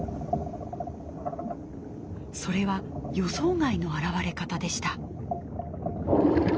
それは予想外の現れ方でした。